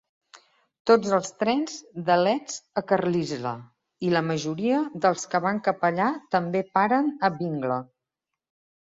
Tots els trens de Leeds a Carlisle i la majoria dels que van cap allà també paren a Bingley.